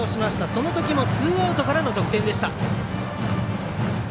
その時もツーアウトからの得点でした。